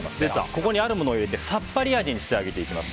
ここにあるものを入れてさっぱり味に仕上げていきます。